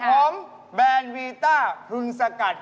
เอาของแดมมาชนของสวยอย่างงานตรงนี้ครับคุณแม่ตั๊ก